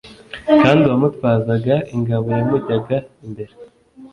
kandi uwamutwazaga ingabo yamujyaga imbere.